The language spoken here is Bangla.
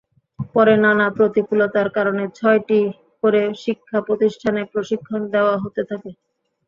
পরে নানা প্রতিকূলতার কারণে ছয়টি করে শিক্ষাপ্রতিষ্ঠানে প্রশিক্ষণ দেওয়া হতে থাকে।